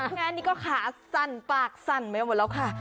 งานนี้ก็ขาสั่นปากสั่นไปหมดแล้วค่ะ